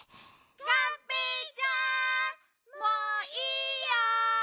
・がんぺーちゃんもういいよ！